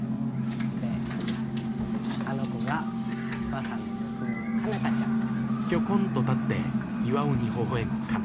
であの子がマサの娘の佳奈花ちゃん。